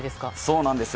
そうなんですよ。